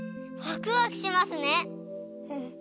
ワクワクしますね。